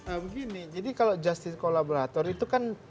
nah begini jadi kalau justice kolaborator itu kan